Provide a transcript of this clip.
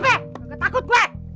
beli apa takut gue